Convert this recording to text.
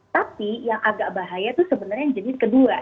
tapi yang agak bahaya itu sebenarnya yang jenis kedua